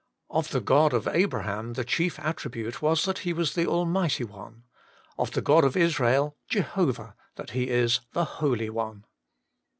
Of the God of Abraham the chief attribute was that He was the Almighty One ; of the God of Israel, Jehovah, that He is the Holy One.